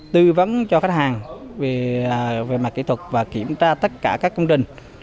tư vấn cho khách hàng về mặt kỹ thuật và kiểm tra tất cả các công trình